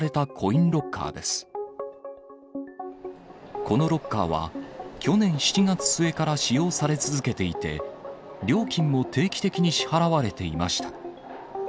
このロッカーは、去年７月末から使用され続けていて、料金も定期的に支払われていました。